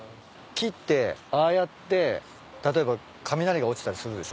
木ってああやって例えば雷が落ちたりするでしょ。